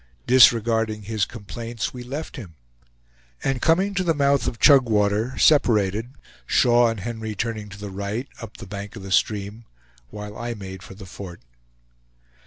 Disregarding his complaints, we left him, and coming to the mouth of Chugwater, separated, Shaw and Henry turning to the right, up the bank of the stream, while I made for the fort.